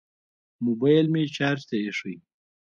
موبیل مې چارج ته ایښی